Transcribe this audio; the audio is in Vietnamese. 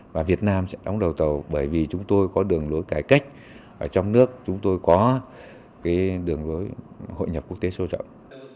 và việt nam sẽ đóng đầu tàu bởi vì chúng tôi có đường lối cải cách trong nước chúng tôi có đường lối hội nhập quốc tế sâu rộng